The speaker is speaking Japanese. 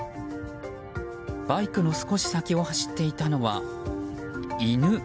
バイクの少し先を走っていたのは犬。